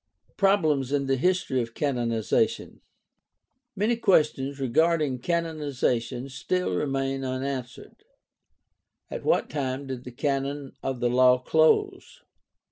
Problems in the history of canonization. — Many questions regarding canonization still remain unanswered. At what time did the Canon of the Law close